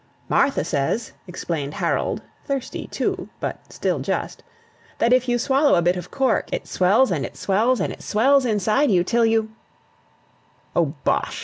"Martha says," explained Harold (thirsty too, but still just), "that if you swallow a bit of cork, it swells, and it swells, and it swells inside you, till you " "O bosh!"